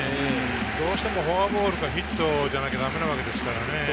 どうしてもフォアボールかヒットじゃなきゃダメなわけですからね。